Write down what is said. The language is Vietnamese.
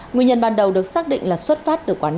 nguyên nhân ban đầu được xác định là xuất phát từ quán